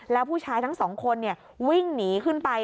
แล้วผู้ชายทั้งสองคนวิ่งหนีขึ้นไป